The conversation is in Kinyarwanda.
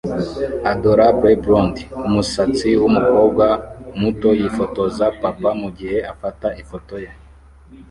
Adorable blond-umusatsi wumukobwa muto yifotoza Papa mugihe afata ifoto ye